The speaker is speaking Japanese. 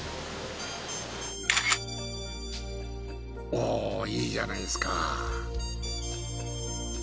おいいじゃないですか。